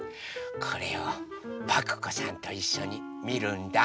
これをパクこさんといっしょにみるんだ。